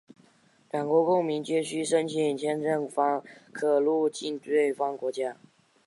两国公民皆须申请签证方可入境对方国家。